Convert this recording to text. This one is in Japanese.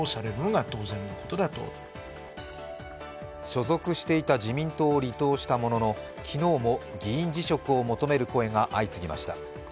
所属していた自民党を離党したものの昨日も議員辞職を求める声が相次ぎました。